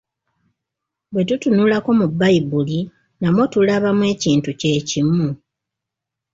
Bwe tutunulako mu Bbayibuli, namwo tulaba ekintu kye kimu.